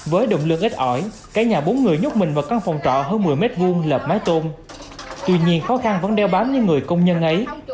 với động lực ít ỏi cả nhà bốn người nhúc mình vào căn phòng trọ hơn một mươi m hai lợp mái tôn tuy nhiên khó khăn vẫn đeo bám những người công nhân ấy